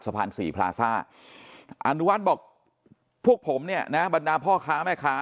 สะพานศรีพลาซ่าอนุวัฒน์บอกพวกผมเนี่ยนะบรรดาพ่อค้าแม่ค้า